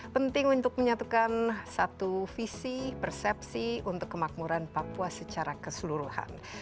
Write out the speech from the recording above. penting untuk menyatukan satu visi persepsi untuk kemakmuran papua secara keseluruhan